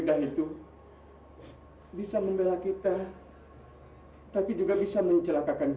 tapi ia tidak memerlukan pekcsada dabah ingin untuk belajar bahwa